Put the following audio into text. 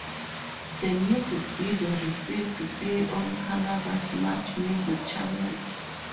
The music video received play on Canada's MuchMusic channel.